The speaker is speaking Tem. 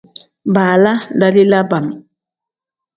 Baala dalila bam.